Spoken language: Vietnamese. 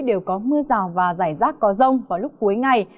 đều có mưa rào và rải rác có rông vào lúc cuối ngày